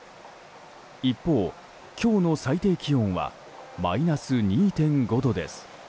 一方、今日の最低気温はマイナス２．５度です。